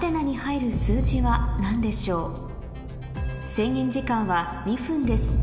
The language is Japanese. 制限時間は２分です